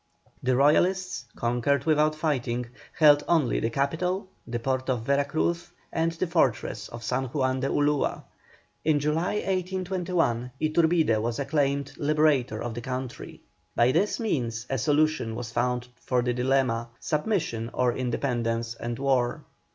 The Royalists, conquered without fighting, held only the capital, the port of Vera Cruz, and the fortress of San Juan de Ulua. In July, 1821, Iturbide was acclaimed Liberator of the country. By this means a solution was found for the dilemma submission, or independence and war.